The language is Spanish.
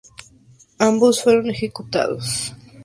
Ambos fueron ejecutados.